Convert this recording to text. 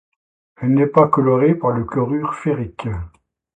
Elle n’est pas colorée par le chlorure ferrique.